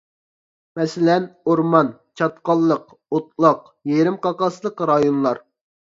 مەسىلەن : ئورمان، چاتقاللىق، ئوتلاق، يېرىم قاقاسلىق رايونلار.